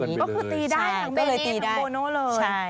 ก็คือตีได้ทั้งเบเน่ทั้งโบโน่เลย